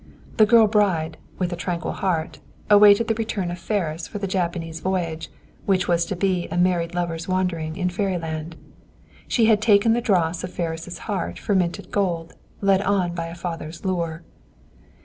The girl bride, with a tranquil heart, awaited the return of Ferris for the Japanese voyage which was to be a married lovers' wandering in fairyland. She had taken the dross of Ferris' heart for minted gold, led on by a father's lure.